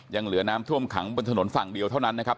ยังเหลือน้ำท่วมขังบนถนนฝั่งเดียวเท่านั้นนะครับ